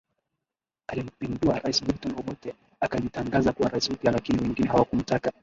alimpindua rais Milton Obote akajitangaza kuwa rais mpya lakini wengine hawakumtaka